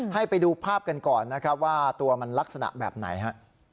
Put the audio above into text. ให้ไปดูภาพกันก่อนนะครับว่าตัวมันลักษณะแบบไหนฮะ